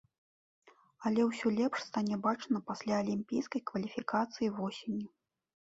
Але ўсё лепш стане бачна пасля алімпійскай кваліфікацыі восенню.